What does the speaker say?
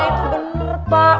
ya itu bener pak